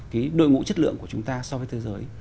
cái đội ngũ chất lượng của chúng ta so với thế giới